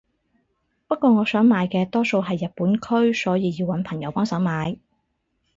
不過我想買嘅多數係日本區所以要搵朋友幫手買